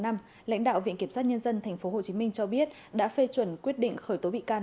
lãnh đạo viện kiểm sát nhân dân tp hcm cho biết đã phê chuẩn quyết định khởi tố bị can